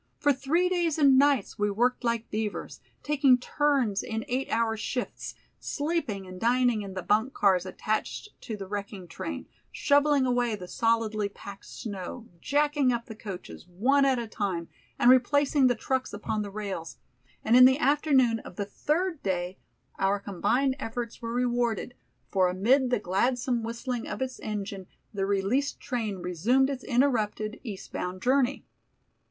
For three days and nights we worked like beavers, taking turns in eight hour shifts, sleeping and dining in the "bunk" cars attached to the wrecking train, shoveling away the solidly packed snow, "jacking" up the coaches, one at a time, and replacing the trucks upon the rails, and in the afternoon of the third day our combined efforts were rewarded, for amid the gladsome whistling of its engine the released train resumed its interrupted, eastbound journey.